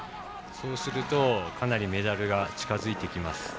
そうすると、かなりメダルが近づいてきます。